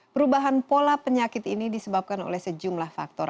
perubahan pola penyakit ini disebabkan oleh sejumlah faktor